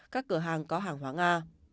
các cửa hàng có hàng hoa nga